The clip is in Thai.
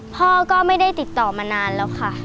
พ่อก็ไม่ได้ติดต่อมานานแล้วค่ะ